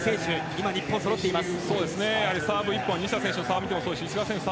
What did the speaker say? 今、日本には揃っています。